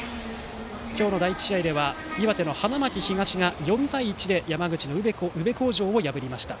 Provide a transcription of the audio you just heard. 今日の第１試合では岩手の花巻東が４対１で山口の宇部鴻城を破りました。